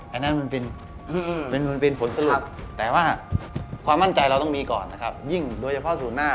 อันนั้นเป็นฝนสรุปแต่ว่าความมั่นใจเราต้องมีก่อนยิ่งโดยเฉพาะสูตรหน้า